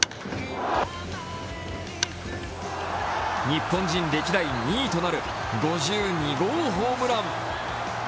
日本人歴代２位となる５２号ホームラン。